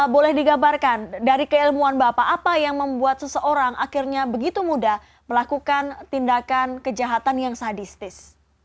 boleh digambarkan dari keilmuan bapak apa yang membuat seseorang akhirnya begitu mudah melakukan tindakan kejahatan yang sadistis